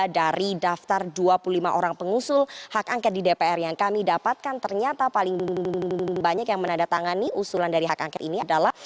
dari daftar dua puluh lima orang pengusul hak angket di dpr yang kami dapatkan ternyata paling banyak yang menandatangani usulan dari hak angket ini adalah